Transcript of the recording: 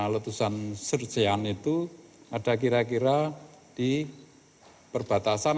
letusan sercean itu ada kira kira di perbatasan